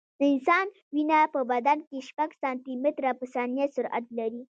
د انسان وینه په بدن کې شپږ سانتي متره په ثانیه سرعت لري.